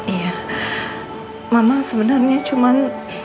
iya mama sebenarnya cuman